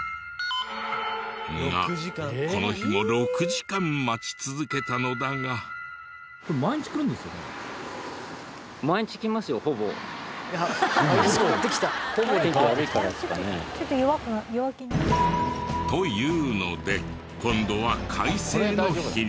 がこの日も６時間待ち続けたのだが。と言うので今度は快晴の日に。